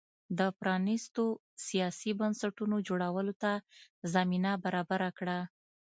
د پرانیستو سیاسي بنسټونو جوړولو ته زمینه برابره کړه.